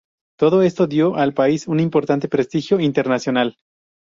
Todo esto dio al país un importante prestigio internacional.